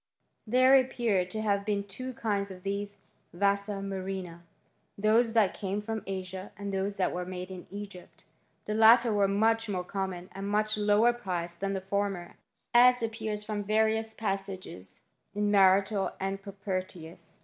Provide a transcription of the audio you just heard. There appear to have been two kinds of these vasa murrhina ; those that came from Asia, and those that were made in Egypt. The latter were much more common, and much lower priced than the former, as appears from various passages in Martial and Pro pertius.